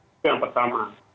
itu yang pertama